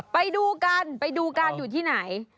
ไปดูกันไปดูการอยู่ที่ไหน